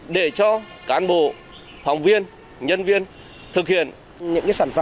để cho cán bộ phòng viên nhân viên thực hiện